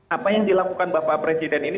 apa yang dilakukan bapak presiden ini